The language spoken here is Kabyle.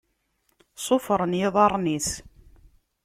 Ṣṣufṛen iḍaṛṛen-is.